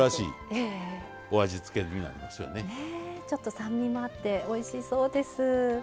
ちょっと酸味もあっておいしそうです。